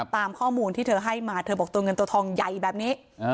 ตามข้อมูลที่เธอให้มาเธอบอกตัวเงินตัวทองใหญ่แบบนี้